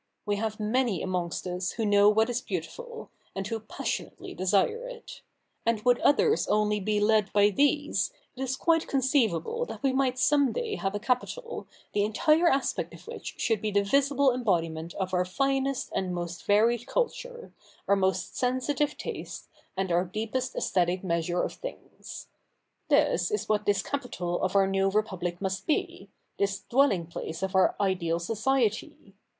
We have many amongst us who know what is beautiful, and who passionately desire it ; and would others only be led by these, it is quite conceivable that we might some day have a capital, the entire aspect of which should be the visible embodiment of our finest and most varied culture, our most sensitive taste, and our deepest ?esthetic measure of things. This is what this capital of our new Republic must be, this dwelling place of our ideal society.